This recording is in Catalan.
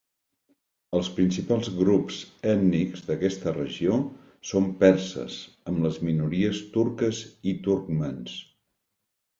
Els principals grups ètnics d'aquesta regió són perses amb les minories turques i turcmans.